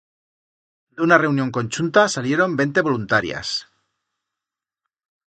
D'una reunión conchunta salieron vente voluntarias.